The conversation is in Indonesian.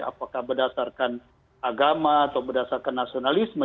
apakah berdasarkan agama atau berdasarkan nasionalisme